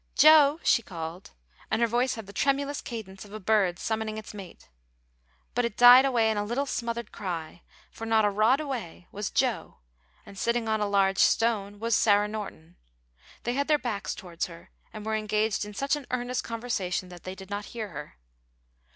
"Joe!" she called, and her voice had the tremulous cadence of a bird summoning its mate; but it died away in a little smothered cry, for not a rod away was Joe, and sitting on a large stone was Sarah Norton. They had their backs towards her, and were engaged in such an earnest conversation that they did not hear her.